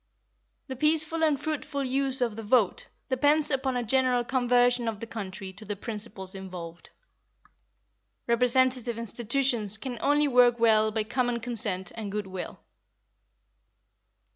The peaceful and fruitful use of the vote depends upon a general conversion of the country to the principles involved. Representative institutions can only work well by common consent and goodwill.